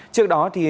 trước đó thì